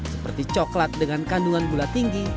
seperti coklat dengan kandungan gula tinggi